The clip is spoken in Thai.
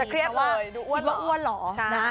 จะเครียดเลยจะคิดว่าอ่วนหรอ